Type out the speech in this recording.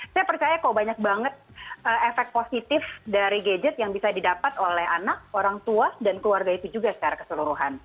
saya percaya kok banyak banget efek positif dari gadget yang bisa didapat oleh anak orang tua dan keluarga itu juga secara keseluruhan